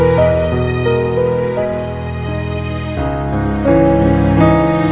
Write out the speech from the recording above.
mau akan mahkaman keluarga